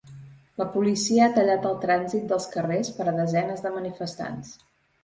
La policia ha tallat el trànsit dels carrers per a desenes de manifestants.